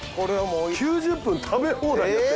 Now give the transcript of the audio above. ９０分食べ放題やって！